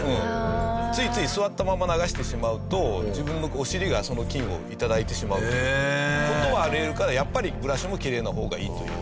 ついつい座ったまま流してしまうと自分のお尻がその菌を頂いてしまうという事はあり得るからやっぱりブラシもきれいな方がいいという。